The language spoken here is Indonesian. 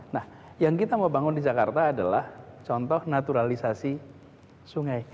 nah yang kita mau bangun di jakarta adalah contoh naturalisasi sungai